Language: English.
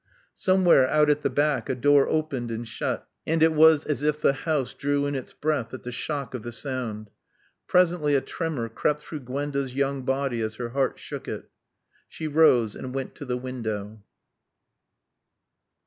Somewhere out at the back a door opened and shut, and it was as if the house drew in its breath at the shock of the sound. Presently a tremor crept through Gwenda's young body as her heart shook it. She rose and went to the window.